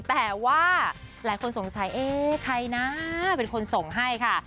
แต่ว่าหลายคนสงสัยเอ๊ะใครนะเป็นคนส่งให้ค่ะ